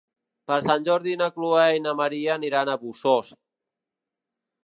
Per Sant Jordi na Chloé i na Maria aniran a Bossòst.